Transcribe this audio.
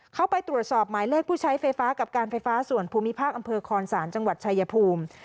เข้าไปตรวจสอบหมายเลขผู้ใช้ไฟฟ้ากับการไฟฟ้าส่วนภูมิภาคอำเภอคอนศาลจังหวัดชายภูมิ